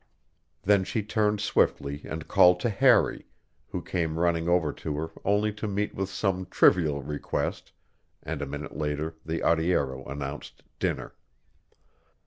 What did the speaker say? Then she turned swiftly and called to Harry, who came running over to her only to meet with some trivial request, and a minute later the arriero announced dinner.